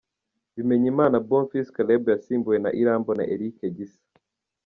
Bimenyimana Bonfils Caleb yasimbuwe na Irambona Eric Gisa.